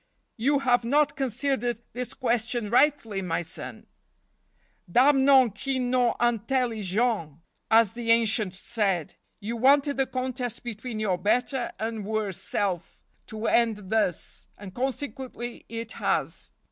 " You have not considered this question rightly, my son. Damnant qui non intellignnt, as the ancients said. You wanted the contest between your better and worse self to end thus, and, consequently, it has.